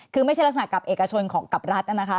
คือไม่ใช่ละกับเอกชนกับรัฐนะคะ